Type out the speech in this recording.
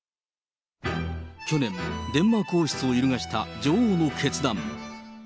去年、デンマーク王室を揺るがした女王の決断。